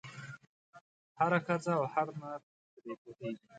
هره ښځه او هر نر پرې پوهېږي.